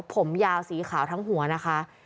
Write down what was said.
ผมยาวสีขาวทั้งหัวนะคะ